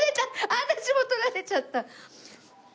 私も取られちゃった。